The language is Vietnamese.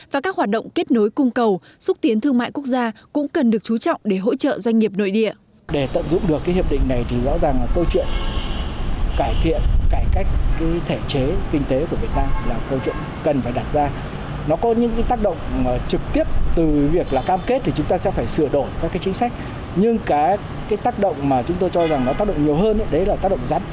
và các hoạt động kết nối cung cầu xúc tiến thương mại quốc gia cũng cần được chú trọng để hỗ trợ doanh nghiệp nội địa